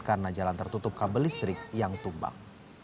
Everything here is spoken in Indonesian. karena jalan tertutup kabel listrik yang tumbang